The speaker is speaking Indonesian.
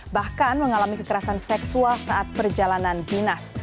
bahkan mengalami kekerasan seksual saat perjalanan dinas